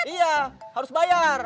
iya harus bayar